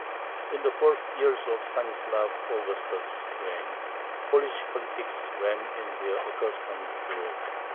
In the first years of Stanislav Augustus' reign Polish politics ran in their accustomed groove.